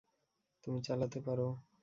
তুমি চালাতে পারো।